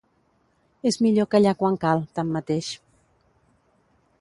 És millor callar quan cal, tanmateix.